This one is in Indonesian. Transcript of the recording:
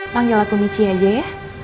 panggil aku michi aja ya